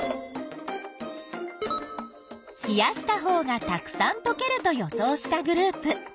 冷やしたほうがたくさんとけると予想したグループ。